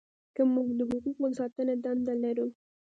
که موږ د حقوقو د ساتنې دنده لرو.